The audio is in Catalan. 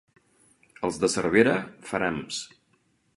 Els de Cervera, ferams.